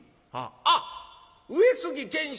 「あっ上杉謙信